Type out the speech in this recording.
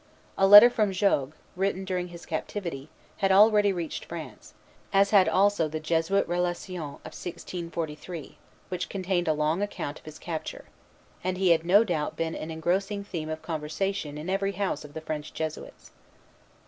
A letter from Jogues, written during his captivity, had already reached France, as had also the Jesuit Relation of 1643, which contained a long account of his capture; and he had no doubt been an engrossing theme of conversation in every house of the French Jesuits.